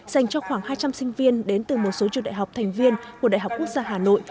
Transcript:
dành cho khoảng hai trăm linh sinh viên đến từ một số trường đại học thành viên của đại học quốc gia hà nội